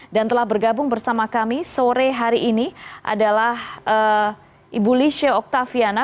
telah bergabung bersama kami sore hari ini adalah ibu lisha oktaviana